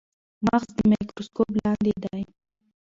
مغز د مایکروسکوپ لاندې دی.